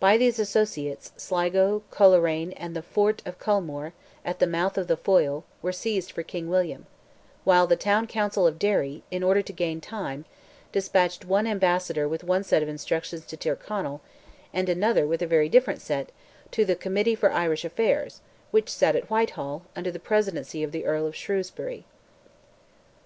By these associates, Sligo, Coleraine, and the fort of Culmore, at the mouth of the Foyle, were seized for King William; while the Town Council of Derry, in order to gain time, despatched one ambassador with one set of instructions to Tyrconnell, and another, with a very different set, to "the Committee for Irish Affairs," which sat at Whitehall, under the presidency of the Earl of Shrewsbury.